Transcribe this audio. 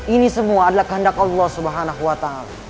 ini semua adalah kehendak allah swt